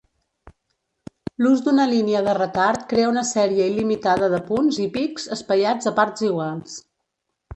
L'ús d'una línia de retard crea una sèrie il·limitada de punts i pics espaiats a parts iguals.